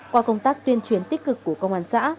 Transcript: qua công tác tuyên truyền tích cực của công an xã